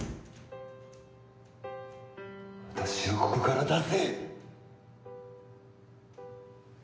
私をここから出せ！